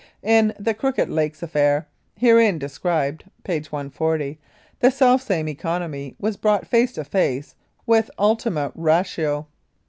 In "The Crooked Lakes Affair," hereinafter described (page 140), the selfsame economy was brought face to face with ultima ratio.